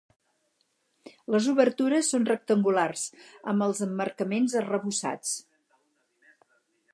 Les obertures són rectangulars, amb els emmarcaments arrebossats.